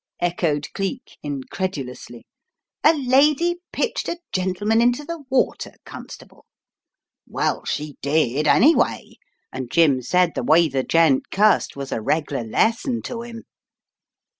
echoed Cleek incredulously. "A lady pitched a gentleman into the water, Con stable "" Well, she did, anyway, and Jim said the way the gent cussed was a reg'lar lesson to 'im."